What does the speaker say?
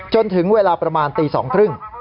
จนถึงเวลาประมาณตี๒๓๐